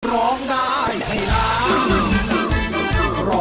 ร้องได้ไอ้ล้าง